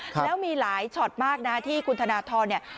แล้วมีหลายช็อตมากนะที่คุณธนทรเนี่ย